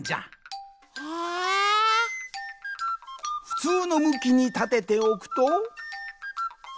ふつうのむきにたてておくと。